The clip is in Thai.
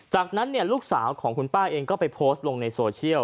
จากนั้นลูกสาวของคุณป้าเองก็ไปโพสต์ลงในโซเชียล